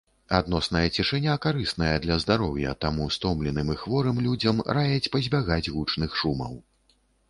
Адносная цішыня карысная для здароўя, таму стомленым і хворым людзям раяць пазбягаць гучных шумаў.